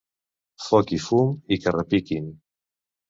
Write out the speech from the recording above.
Foc i fum, i que repiquin!